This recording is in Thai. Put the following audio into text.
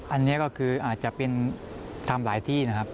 อันนี้ก็คืออาจจะเป็นทำหลายที่นะครับ